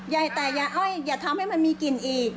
จบได้แต่ยายอ้อยอย่าทำให้มันมีกลิ่นอีก